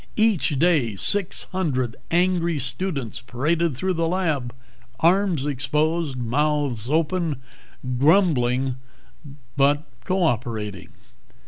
Each day six hundred angry students paraded through the lab, arms exposed, mouths open, grumbling but co operating.